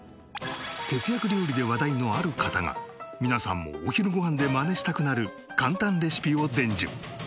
節約料理で話題のある方が皆さんもお昼ご飯でマネしたくなる簡単レシピを伝授。